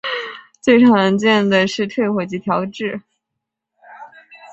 最常见的是退火及调质。